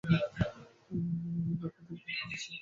দেখো দেখি, এখন সতীশ কেমন পরিশ্রম করে কাজকর্ম করছে।